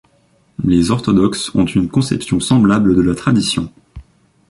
Les orthodoxes ont une conception semblable de la tradition.